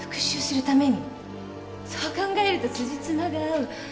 そう考えるとつじつまが合う。